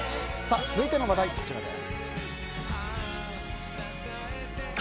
続いての話題はこちらです。